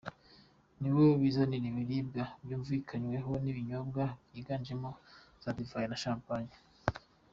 Nibo bizanira ibiribwa bumvikanyeho n’ibinyobwa byiganjemo za divayi na champagne.